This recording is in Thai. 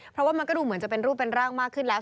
เพราะว่ามันก็ดูเหมือนจะเป็นรูปเป็นร่างมากขึ้นแล้ว